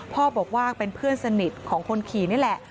พ่อบอกว่าเป็นเพื่อนสนิทของคนขี่นี่แหละ